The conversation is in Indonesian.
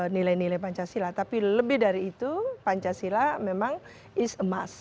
nilai nilai pancasila tapi lebih dari itu pancasila memang is e musk